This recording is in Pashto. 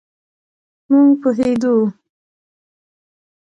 مونږ پوهیږو